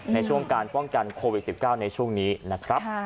ในช่วงการป้องกันโควิด๑๙ในช่วงนี้นะครับ